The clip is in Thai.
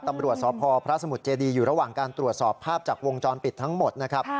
ตำรวจสพพระสมุทรเจดีอยู่ระหว่างการตรวจสอบภาพจากวงจรปิดทั้งหมดนะครับ